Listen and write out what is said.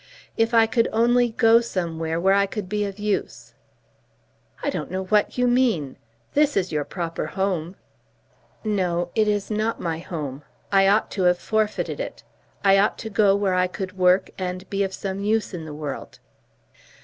If I could only go somewhere, where I could be of use." "I don't know what you mean. This is your proper home." "No; it is not my home. I ought to have forfeited it. I ought to go where I could work and be of some use in the world."